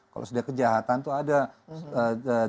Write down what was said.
kalau sudah kejahatan itu ada